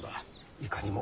いかにも。